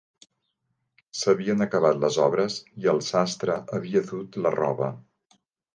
S'havien acabat les obres, i el sastre havia dut la roba